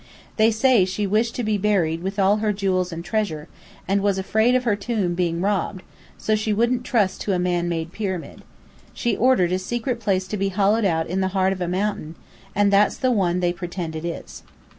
They say she wished to be buried with all her jewels and treasure, and was afraid of her tomb being robbed, so she wouldn't trust to a man made pyramid. She ordered a secret place to be hollowed out in the heart of a mountain; and that's the one they pretend it is."